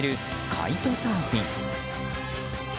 カイトサーフィン。